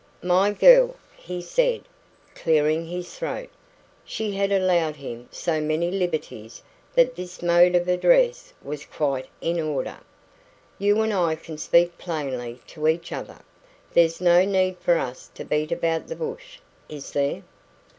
"My girl," he said, clearing his throat she had allowed him so many liberties that this mode of address was quite in order "you and I can speak plainly to each other. There's no need for us to beat about the bush, is there?"